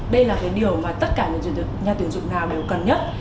đây là cái điều mà tất cả nhà tuyển dụng nào đều cần nhất